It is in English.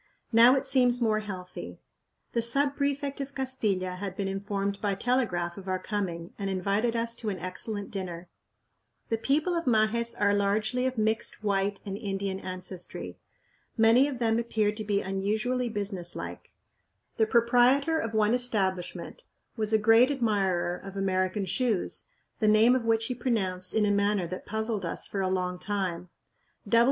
Now it seems more healthy. The sub prefect of Castilla had been informed by telegraph of our coming, and invited us to an excellent dinner. The people of Majes are largely of mixed white and Indian ancestry. Many of them appeared to be unusually businesslike. The proprietor of one establishment was a great admirer of American shoes, the name of which he pronounced in a manner that puzzled us for a long time.